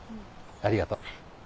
ありがとう。